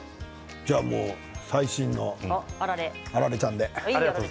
じゃあ、最新のあられちゃんで。